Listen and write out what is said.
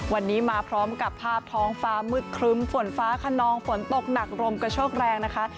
วันนี้มาพร้อมกับภาพท้องฟ้ามืดครึ้มฝนฟ้าขนองฝนตกหนักลมกระโชกแรงนะคะ